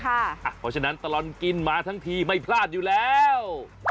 เพราะฉะนั้นตลอดกินมาทั้งทีไม่พลาดอยู่แล้ว